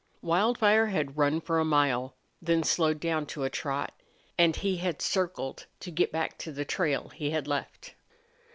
Wildfire had run for a mile, then slowed down to a trot, and he had circled to get back to the trail he had left.